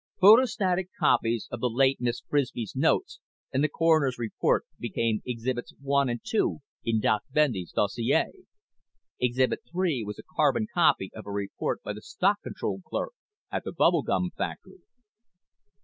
Photostatic copies of the late Miss Frisbie's notes and the coroner's report became exhibits one and two in Doc Bendy's dossier. Exhibit three was a carbon copy of a report by the stock control clerk at the bubble gum factory.